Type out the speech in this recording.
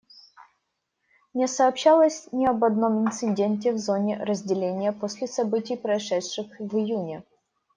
Не сообщалось ни об одном инциденте в зоне разделения после событий, произошедших в июне.